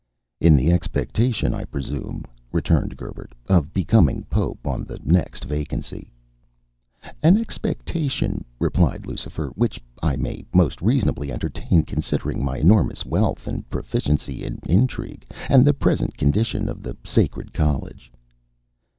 "In the expectation, I presume," returned Gerbert, "of becoming Pope on the next vacancy." "An expectation," replied Lucifer, "which I may most reasonably entertain, considering my enormous wealth, my proficiency in intrigue, and the present condition of the Sacred College."